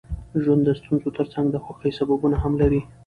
ژوند د ستونزو ترڅنګ د خوښۍ سببونه هم لري.